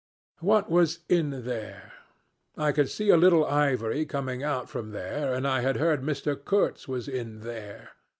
What was in there? I could see a little ivory coming out from there, and I had heard Mr. Kurtz was in there.